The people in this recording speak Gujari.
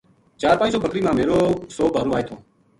چار پنج سو بکری ما میر و سو بھارو آئے تھو